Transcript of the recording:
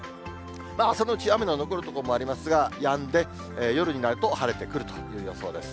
朝のうち、雨の残る所もありますが、やんで、夜になると晴れてくるという予想です。